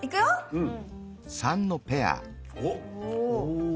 うん。